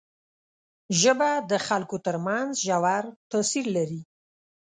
ژبه د خلکو تر منځ ژور تاثیر لري